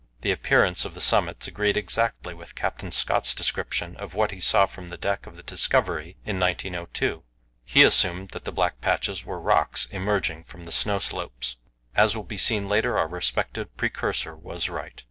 The appearance of the summits agreed exactly with Captain Scott's description of what he saw from the deck of the Discovery in 1902. He assumed that the black patches were rocks emerging from the snow slopes. As will be seen later, our respected precursor was right.